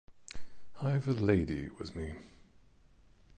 I've a lady with me.